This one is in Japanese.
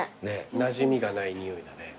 なじみがない匂いだね。